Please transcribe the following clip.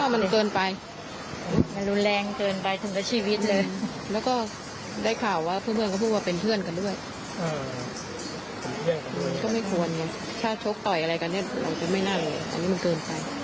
มันเกินไป